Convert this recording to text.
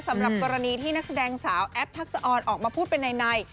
สำหรับกรณีที่นักแสดงสาวแอฟทักษะออนออกมาพูดเป็นใน